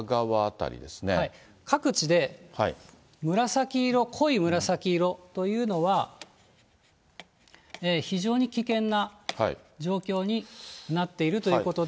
各地で紫色、濃い紫色というのは、非常に危険な状況になっているということで。